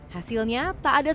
hasilnya tak ada sejumlah